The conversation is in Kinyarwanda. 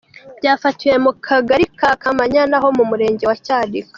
Byafatiwe mu kagari ka Kamanyana, ho mu murenge wa Cyanika.